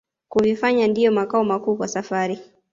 Kuvifanya ndiyo makao makuu kwa safari